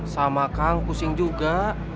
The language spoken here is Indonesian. sama kang kusing juga